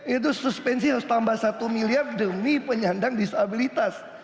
itu suspensi harus tambah satu miliar demi penyandang disabilitas